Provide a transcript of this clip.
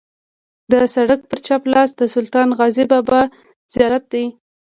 د سړک پر چپ لاس د سلطان غازي بابا زیارت دی.